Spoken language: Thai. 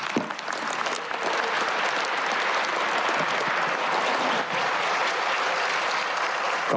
ขอบคุณคุณพิธามากครับ